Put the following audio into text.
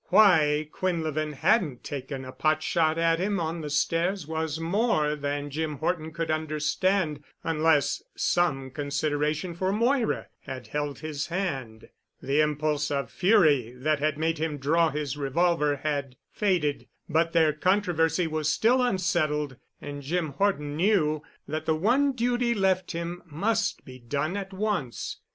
Why Quinlevin hadn't taken a pot shot at him on the stairs was more than Jim Horton could understand, unless some consideration for Moira had held his hand. The impulse of fury that had made him draw his revolver had faded. But their controversy was still unsettled and Jim Horton knew that the one duty left him must be done at once.